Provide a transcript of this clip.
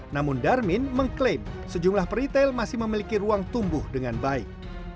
namun darmin mengklaim sejumlah peritel masih memiliki ruang tumbuh dengan baik